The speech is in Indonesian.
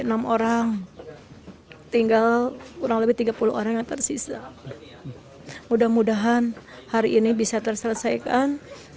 enam orang tinggal kurang lebih tiga puluh orang yang tersisa mudah mudahan hari ini bisa terselesaikan